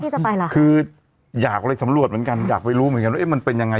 จะไปเหรอคะคืออยากเลยสำรวจเหมือนกันอยากไปรู้เหมือนกันว่าเอ๊ะมันเป็นยังไง